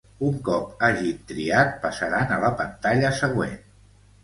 Un cop hagin triat, passaran a la pantalla següent.